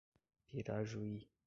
Pirajuí